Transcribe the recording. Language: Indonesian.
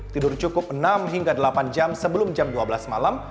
tidur cukup enam hingga delapan jam sebelum jam dua belas malam